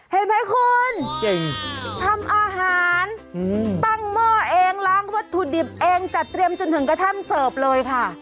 เห็นไหมคุณทำอาหารตั้งหม้อเองล้างวัตถุดิบเองจัดเตรียมจนถึงกระทั่งเสิร์ฟเลยค่ะ